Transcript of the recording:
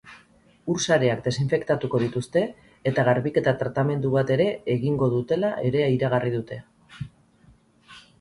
Ur-sareak desinfektatuko dituzte eta garbiketa tratamendu bat ere egingo dutela ere iragarri dute.